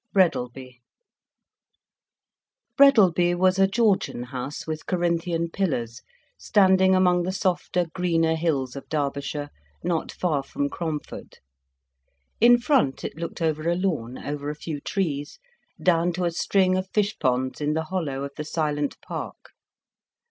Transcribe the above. BREADALBY Breadalby was a Georgian house with Corinthian pillars, standing among the softer, greener hills of Derbyshire, not far from Cromford. In front, it looked over a lawn, over a few trees, down to a string of fish ponds in the hollow of the silent park.